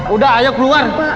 udah ayo keluar